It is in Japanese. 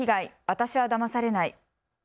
私はだまされない。